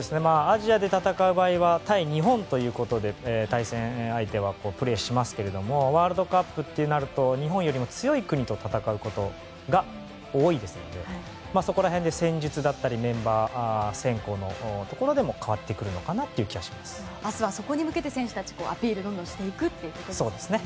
アジアで戦う場合は対日本ということで対戦相手はプレーしますけどワールドカップとなると日本より強い国と戦うことが多いですのでそこら辺の戦術だったりメンバー選考のところでも変わってくるのかなという明日はそこに向けて選手がアピールをどんどんしていくということですね。